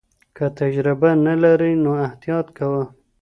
که تجربه نه لرې نو احتیاط کوه.